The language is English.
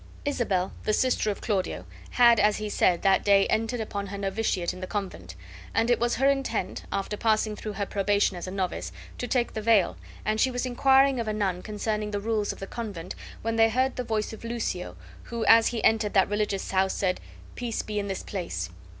Isabel, the sister of Claudio, had, as he said, that day entered upon her novitiate in the convent, and it was her intent, after passing through her probation as a novice, to take the veil, and she was inquiring of a nun concerning the rules of the convent when they heard the voice of Lucio, who, as he entered that religious house, said, "Peace be in this place!"